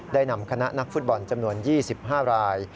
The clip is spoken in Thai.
ได้นำคณะนักฟุตบอลจำนวน๒๕ราย